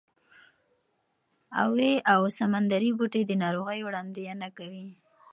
اوې او سمندري بوټي د ناروغۍ وړاندوینه کوي.